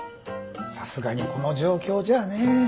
さすがにこの状況じゃねえ。